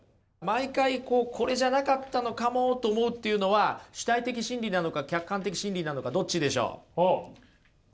毎回こうこれじゃなかったのかもと思うっていうのは主体的真理なのか客観的真理なのかどっちでしょう？